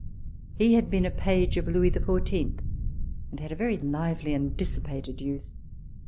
He had been a page of Louis XIV and had had a very lively and dissipated youth.